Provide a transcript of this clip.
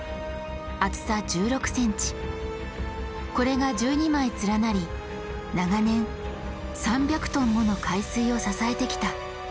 これが１２枚連なり長年３００ｔもの海水を支えてきた。